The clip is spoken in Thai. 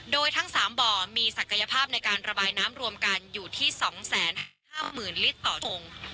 โดยทั้ง๓บ่อมีศักยภาพในการระบายน้ำรวมกันอยู่ที่๒๕๐๐๐ลิตรต่อทง